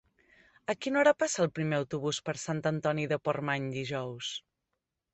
A quina hora passa el primer autobús per Sant Antoni de Portmany dijous?